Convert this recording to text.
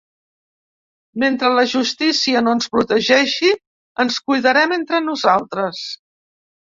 Mentre la justícia no ens protegeixi, ens cuidarem entre nosaltres.